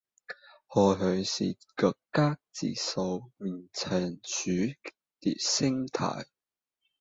或許是各家自掃門前雪的心態